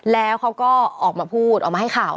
แล้วเขาก็ออกมาพูดออกมาให้ข่าว